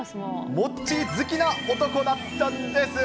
モッチー好きな男だったんです。